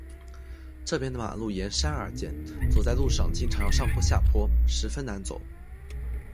这边的马路沿山而建，走在路上经常要上坡下坡，十分难走。